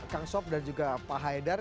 kang sob dan juga pak haidar